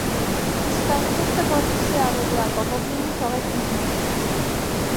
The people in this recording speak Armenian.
- Իսկ այս թուղթը որպեսզի ավելի ապահով լինի, թողեք ինձ մոտ մնա…